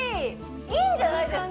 いいんじゃないですか！